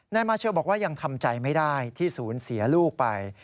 นายมาเชลบอกว่ายังทำใจไม่ได้ที่ศูนย์เสียลูกไป